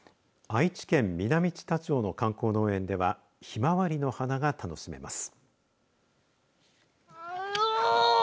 愛知県南知多町の観光農園ではひまわりの花が楽しめます。